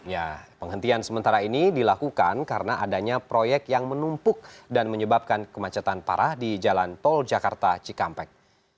ya penghentian sementara ini dilakukan karena adanya proyek yang menumpuk dan menyebabkan kemacetan parah di jalan tol jakarta cikampek